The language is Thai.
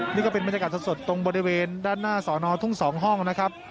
นี่ก็เป็นบรรยากาศสดตรงบริเวณด้านหน้าสอนอทุ่ง๒ห้องนะครับ